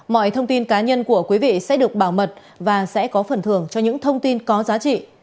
mọi thông tin cá nhân của quý vị sẽ được bảo mật và sẽ có phần thưởng cho những thông tin có giá trị